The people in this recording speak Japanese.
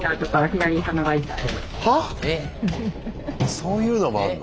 ☎そういうのもあんの？